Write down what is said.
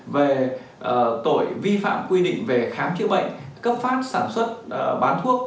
về tội vi phạm quy định về khám chữa bệnh cấp phát sản xuất bán thuốc